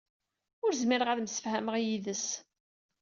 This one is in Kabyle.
Ur zmireɣ ad msefhameɣ yid-s.